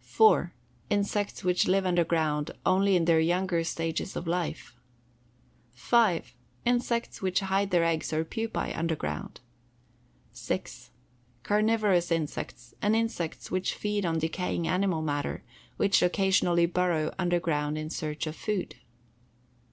4. Insects which live underground only in their younger stages of life. 5. Insects which hide their eggs or pupæ underground. 6. Carnivorous insects, and insects which feed on decaying animal matter, which occasionally burrow underground in search of food.